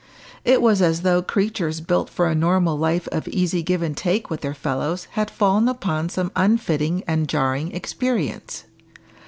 It was as though creatures built for a normal life of easy give and take with their fellows had fallen upon some unfitting and jarring experience.